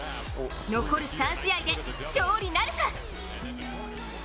残る３試合で勝利なるか？